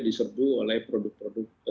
diserbu oleh produk produk